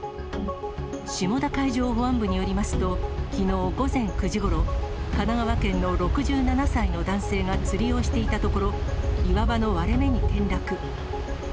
下田海上保安部によりますと、きのう午前９時ごろ、神奈川県の６７歳の男性が釣りをしていたところ、岩場の割れ目に転落。